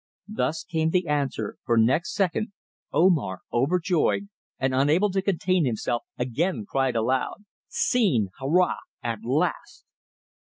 Thus came the answer, for next second Omar, overjoyed, and unable to contain himself, again cried aloud: "Seen! Hurrah! At last!"